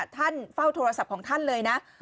ท่านเฝ้าโทรศัพท์ของท่านเลยนะ